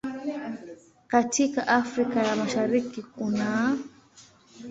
Katika Afrika ya Mashariki kunaː